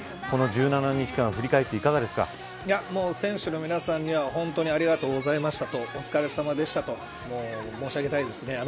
この１７日間振り返って選手の皆さんには、本当にありがとうございましたとお疲れさまでしたと申し上げたいですね。